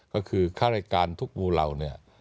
ก็คือค่ารายการทุกวูราว